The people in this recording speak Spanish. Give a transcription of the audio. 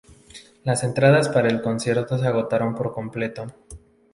Las entradas para el concierto se agotaron por completo.